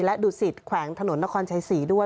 และดุสิตแขวงถนนนครชัยศรีด้วย